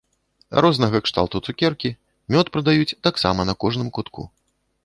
Рознага кшталту цукеркі, мёд прадаюць таксама на кожным кутку.